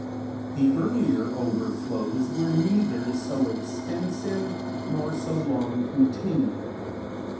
The earlier overflows were neither so extensive nor so long continued.